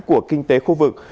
của kinh tế khu vực